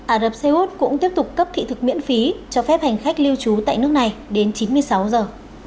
ả rập xê út cũng tiếp tục cấp thị thực miễn phí cho phép hành khách lưu trú tại nước này đến chín mươi sáu giờ